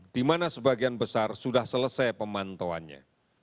di mana sebagian besar sudah selesai pemantauannya